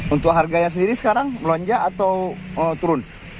untuk harganya sendiri sekarang melonjak atau turun